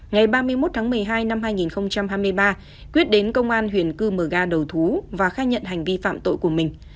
ngày ba mươi một tháng một mươi hai năm hai nghìn hai mươi ba quyết đến công an huyện cư mờ ga đầu thú và khai nhận hành vi phạm tội của mình